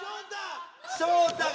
ショウタが。